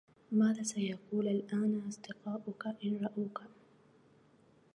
ماذا سيقول الآن أصدقاؤك إن رأوك؟